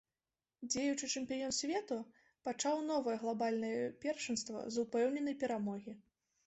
Дзеючы чэмпіён свету пачаў новае глабальнае першынства з упэўненай перамогі.